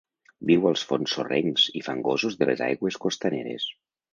Viu als fons sorrencs i fangosos de les aigües costaneres.